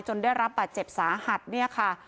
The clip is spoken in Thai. ได้รับบาดเจ็บสาหัสเนี่ยค่ะ